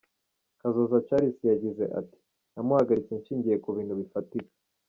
Kakoza Charles yagize ati, “Namuhagaritse nshingiye ku bintu bifatika.